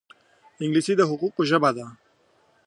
انګلیسي د حقوقو ژبه ده